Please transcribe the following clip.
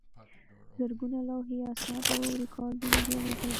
زرګونه لوحې، اسناد او ریکارډونه جوړېدل.